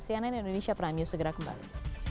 cnn indonesia prime news segera kembali